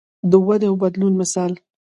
د ودې او بدلون مثال.